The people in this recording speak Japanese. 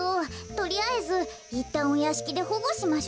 とりあえずいったんおやしきでほごしましょ。